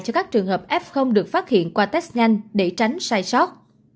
cho các trường hợp f được phát hiện qua test nhanh để tránh sai sót